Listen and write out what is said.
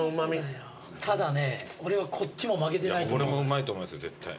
これもうまいと思いますよ絶対。